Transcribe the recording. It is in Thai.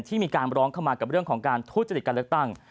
ที่มีการร้องเข้ามากับเรื่องของการทุจริตการเลือกตั้ง